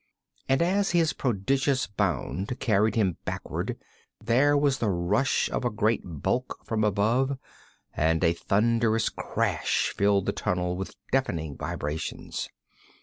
And as his prodigious bound carried him backward, there was the rush of a great bulk from above, and a thunderous crash filled the tunnel with deafening vibrations.